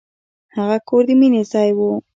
هغه کور د مینې ځای و.